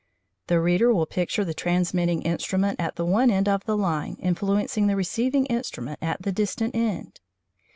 The reader will picture the transmitting instrument at the one end of the line influencing the receiving instrument at the distant end.